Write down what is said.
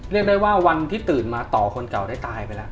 เรียกได้ว่าวันที่ตื่นมาต่อคนเก่าได้ตายไปแล้ว